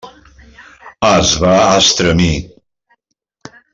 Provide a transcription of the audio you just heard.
Es va estremir.